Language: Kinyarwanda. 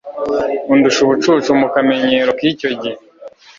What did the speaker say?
undusha ubucucu mu kamenyero k’icyo gihe